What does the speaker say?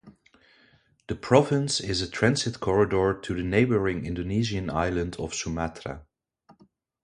The province is a transit corridor to the neighbouring Indonesian island of Sumatra.